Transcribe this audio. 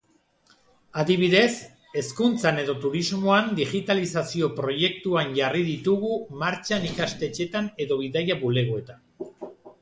Adibidez, hezkuntzan edo turismoan digitalizazio proiektuan jarri ditugu martxan ikastetxeetan edo bidaia-bulegoetan.